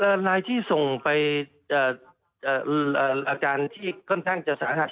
รายที่ส่งไปอาการที่ค่อนข้างจะสาหัส